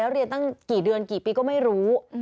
เรียนตั้งกี่เดือนกี่ปีก็ไม่รู้